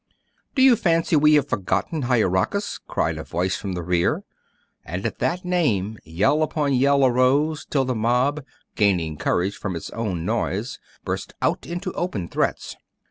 'Do you fancy we have forgotten Hieracas?' cried a voice from the rear; and at that name, yell upon yell arose, till the mob, gaining courage from its own noise, burst out into open threats.